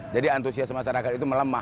jadi antusias masyarakat itu melemah